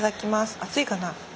熱いかな？